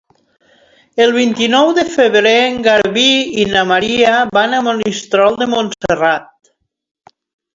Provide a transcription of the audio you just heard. El vint-i-nou de febrer en Garbí i na Maria van a Monistrol de Montserrat.